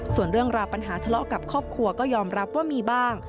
ส่วนเรื่องราวปัญหาทะเลาะกับครอบครัวก็ยอมรับว่ามีบ้าง